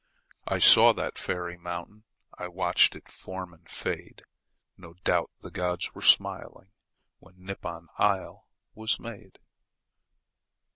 I saw that fairy mountain. ... I watched it form and fade. No doubt the gods were smiling, When Nippon isle was made.